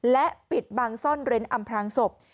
และปิดบังซ่อนเร้นอำพลางศพ